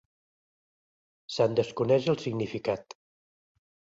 Se'n desconeix el significat.